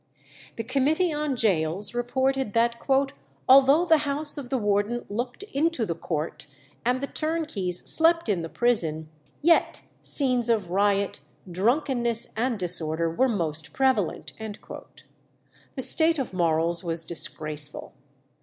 The Committee on Gaols reported that "although the house of the warden looked into the court, and the turnkeys slept in the prison, yet scenes of riot, drunkenness, and disorder were most prevalent." The state of morals was disgraceful.